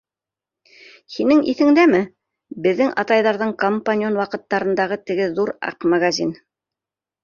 Һинең иҫеңдәме, беҙҙең атайҙарҙың кампанион ваҡыттарындағы теге ҙур аҡ магазин?